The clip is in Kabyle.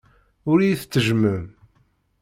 Ur iyi-tettejjmem.